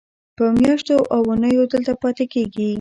په میاشتو او اوونیو دلته پاتې کېږي.